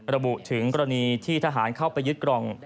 ระบุถึงกรณีที่ทหารเข้าไปยึดกล่อง